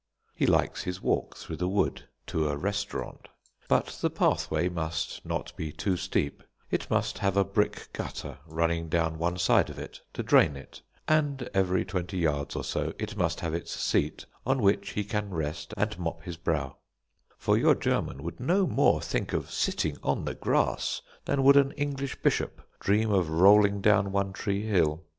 He likes his walk through the wood to a restaurant. But the pathway must not be too steep, it must have a brick gutter running down one side of it to drain it, and every twenty yards or so it must have its seat on which he can rest and mop his brow; for your German would no more think of sitting on the grass than would an English bishop dream of rolling down One Tree Hill.